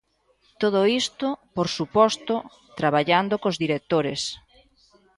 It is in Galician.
Todo isto, por suposto, traballando cos directores.